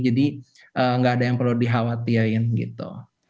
jadi gak ada yang perlu dikhawatirin gitu